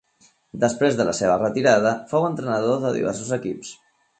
Després de la seva retirada fou entrenador de diversos equips.